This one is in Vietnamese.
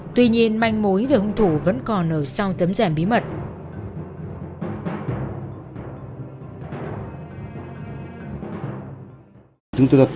tuy nhiên manh mối về hung thủ vẫn còn ở sau tấm giản bí mật